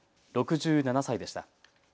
６７歳でした。